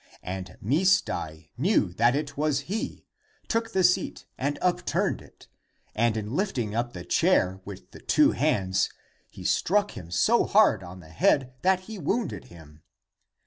And Misdai knew that it was he, took the seat and upturned it, and in lifting up the chair with the two hands, he struck him so hard on the head that he wounded him.